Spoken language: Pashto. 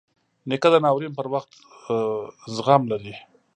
نیکه د ناورین پر وخت زغم لري.